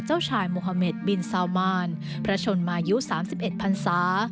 เจ้าชายโมฮาเมดบินซาวมานพระชนมายุ๓๑พันศา